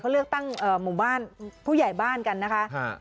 เขาเลือกตั้งหมู่บ้านผู้ใหญ่บ้านกันนะคะ